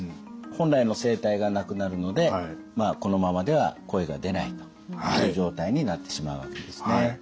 本来の声帯がなくなるのでこのままでは声が出ないという状態になってしまうわけですね。